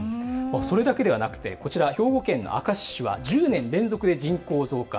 それだけではなくてこちら兵庫県の明石市は１０年連続で人口増加。